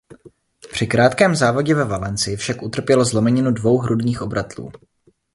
Při krátkém závodě ve Valencii však utrpěl zlomeninu dvou hrudních obratlů.